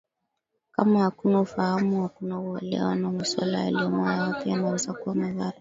kama hakuna ufahamu hakuna uelewa wa masuala yaliyomo na yapi yanaweza kuwa madhara